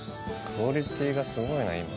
クオリティーがすごいな、今。